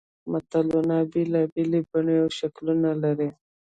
متلونه بېلابېلې بڼې او شکلونه لري